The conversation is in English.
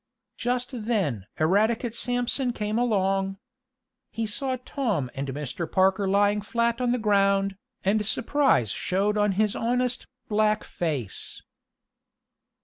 Just then Eradicate Sampson came along. He saw Tom and Mr. Parker lying flat on the ground, and surprise showed on his honest, black face.